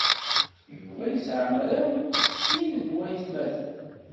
Yuba yesɛa mraw sin n waytmaten.